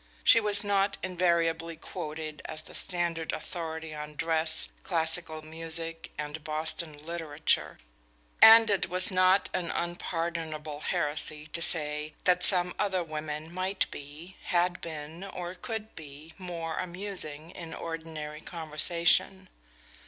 She was not invariably quoted as the standard authority on dress, classical music, and Boston literature, and it was not an unpardonable heresy to say that some other women might be, had been, or could be, more amusing in ordinary conversation.